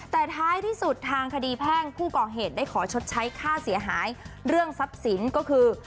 แต่ท้ายที่สุดทางคดีแพ่งผู้ก่อเหตุได้ขอชดใช้ค่าเสียหายเรื่องทรัพย์สินก็คือ